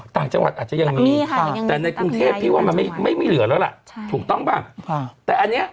ต่างจังหวัดอาจจะยังมีค่ะแต่ในกรุงเทพพี่ว่ามันไม่มีเหลือแล้วล่ะถูกต้องป่ะแต่อันนี้